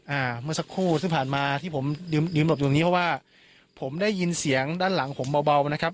อ่าเมื่อสักครู่ที่ผ่านมาที่ผมลืมยืนหลบอยู่ตรงนี้เพราะว่าผมได้ยินเสียงด้านหลังผมเบาเบานะครับ